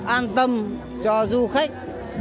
an tâm cho du khách